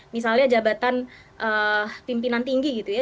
misalnya jabatan pimpinan tinggi gitu ya